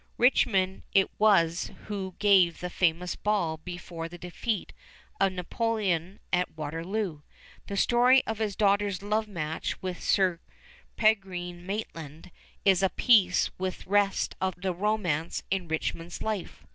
Richmond it was who gave the famous ball before the defeat of Napoleon at Waterloo. The story of his daughter's love match with Sir Peregrine Maitland is of a piece with the rest of the romance in Richmond's life.